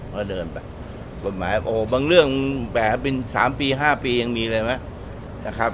ก็เดินไปกฎหมายโอ้บางเรื่องแหมเป็น๓ปี๕ปียังมีเลยไหมนะครับ